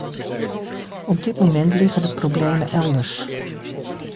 Op dit moment liggen de problemen elders.